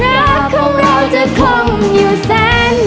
รักของเราจะคงอยู่แสน